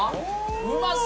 うまそ！